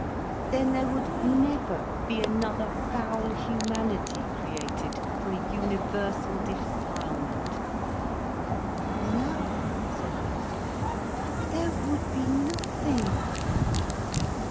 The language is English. Then there would never be another foul humanity created, for a universal defilement." "No," said Ursula, "there would be nothing."